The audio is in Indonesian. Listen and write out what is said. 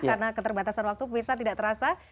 karena keterbatasan waktu puirsa tidak terasa